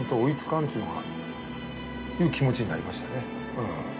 いう気持ちになりましたね。